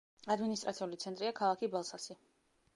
ადმინისტრაციული ცენტრია ქალაქი ბალსასი.